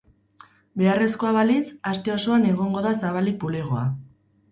Beharrezkoa balitz, aste osoan egongo da zabalik bulegoa.